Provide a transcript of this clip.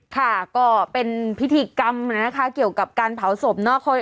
ค่ะก็เป็นพิธีกรรมนะคะเกี่ยวกับการเผาศพเนาะ